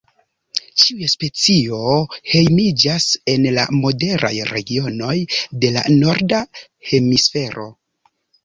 Ĉiuj specio hejmiĝas en la moderaj regionoj de la norda hemisfero.